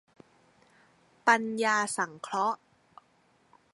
ปัญญาสังเคราะห์